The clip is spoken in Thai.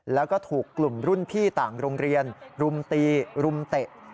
แล้วก็ถูกกลุ่มรุ่นพี่ต่างโรงเรียนรุมตีรุมเตะ